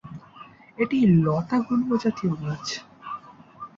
এটি লতা গুল্ম জাতীয় গাছ।